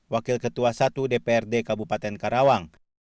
wakil ketua satu dprd kabupaten karawang